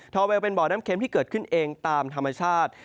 อเวลเป็นบ่อน้ำเข็มที่เกิดขึ้นเองตามธรรมชาติ